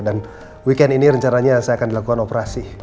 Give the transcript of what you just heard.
dan weekend ini rencananya saya akan dilakukan operasi